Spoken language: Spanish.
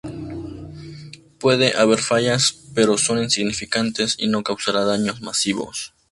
Puede haber fallas, pero son insignificantes y no causarán daños masivos".